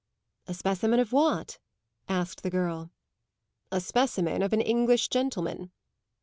"A specimen of what?" asked the girl. "A specimen of an English gentleman."